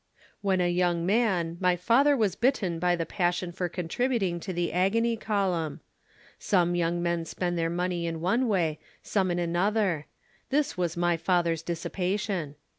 "'When a young man my father was bitten by the passion for contributing to the agony column. Some young men spend their money in one way, some in another; this was my father's dissipation.